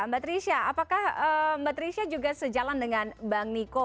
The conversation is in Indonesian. mbak trisha apakah mbak trisha juga sejalan dengan bang niko